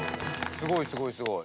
すごいすごいすごい。